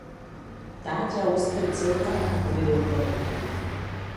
Таа ќе ја оствари целта ако биде упорна.